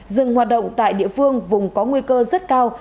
dừng hoạt động tại địa phương vùng có nguy cơ rất cao